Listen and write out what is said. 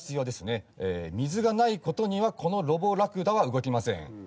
水がない事にはこのロボラクダは動きません。